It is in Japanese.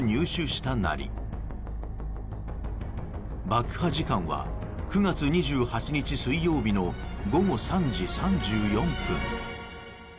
爆破時間は９月２８日水曜日の午後３時３４分。